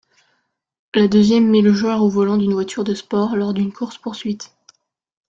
La deuxième met le joueur au volant d’une voiture de sport lors d’une course-poursuite.